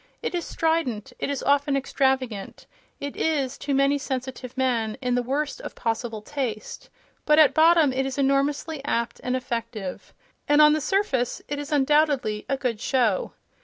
It is strident, it is often extravagant, it is, to many sensitive men, in the worst of possible taste, but at bottom it is enormously apt and effective—and on the surface it is undoubtedly a good show.